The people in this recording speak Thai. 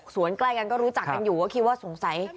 ใกล้กันก็รู้จักกันอยู่ก็คิดว่าสงสัย